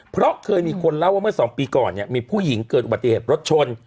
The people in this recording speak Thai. เพราะเคยมีคนเล่าว่าเมื่อ๒ปีก่อนเนี่ยมีผู้หญิงเกิดอุบัติเหตุรถชน